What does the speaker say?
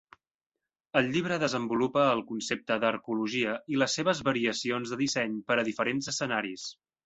El llibre desenvolupa el concepte d'arcologia i les seves variacions de disseny per a diferents escenaris.